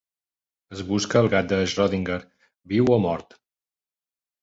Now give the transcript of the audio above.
Es busca gat de Schrödinger, viu o mort.